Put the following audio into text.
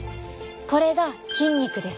これが筋肉です。